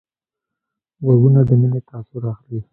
غوږونه د مینې تاثر اخلي